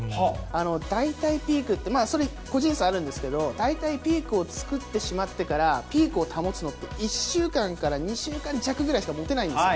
大体ピークって、個人差あるんですけど、大体ピークを作ってしまってから、ピークを保つのって、１週間から２週間弱ぐらいしかもてないんですよ。